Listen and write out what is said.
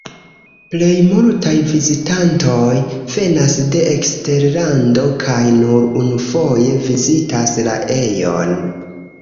Plej multaj vizitantoj venas de eksterlando kaj nur unufoje vizitas la ejon.